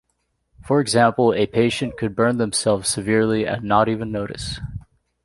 For example, a patient could burn themselves severely and not even notice.